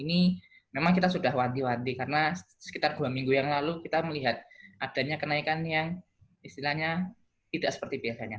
ini memang kita sudah wanti wanti karena sekitar dua minggu yang lalu kita melihat adanya kenaikan yang istilahnya tidak seperti biasanya